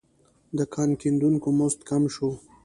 د کان کیندونکو مزد کم شو.